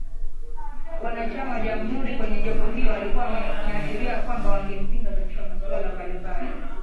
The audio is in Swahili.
Wanachama wa jamuhuri kwenye jopo hilo walikuwa wameashiria kwamba wangempinga katika masuala mbali mbali